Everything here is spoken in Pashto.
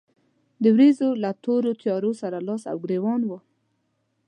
د ورېځو له تورو تيارو سره لاس او ګرېوان و.